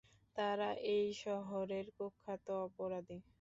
তারা এই শহরের কুখ্যাত অপরাধী।